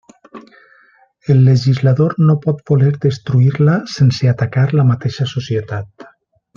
El legislador no pot voler destruir-la sense atacar la mateixa societat.